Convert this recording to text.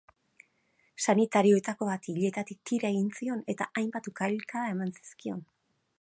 Sanitarioetako bati ileetatik tira egin zion eta hainbat ukabilkada eman zizkion.